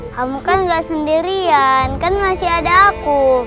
kamu kan nggak sendirian kan masih ada aku